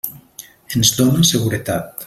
Ens dóna seguretat.